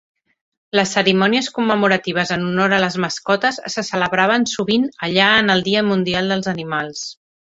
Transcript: Les cerimònies commemoratives en honor a les mascotes se celebraven sovint allà en el Dia Mundial dels Animals.